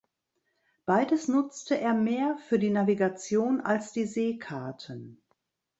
Beides nutzte er mehr für die Navigation als die Seekarten.